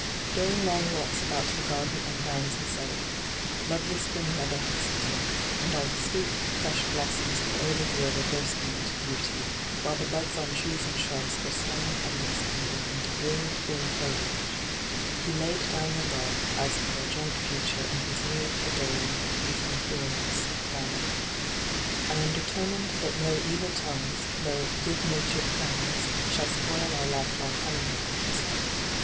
During long walks about the garden and grounds with Zoe — lovely spring weather had set in, and all the sweet, fresh blossoms of early year were bursting into beauty, while the buds on trees and shrubs were swelling and expanding into brilliant green foliage — he laid down the law aa to their joint future in his new, adoring, if imperious, manner. ' I am determined that no evil tongues, no " good natured friends," shall spoil our lifelong honeymoon,' he said.